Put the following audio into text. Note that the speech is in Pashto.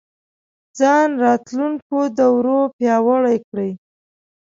ځان راتلونکو دورو پیاوړی کړي